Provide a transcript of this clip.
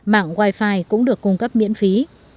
mạng wifi cũng được cung cấp miễn phí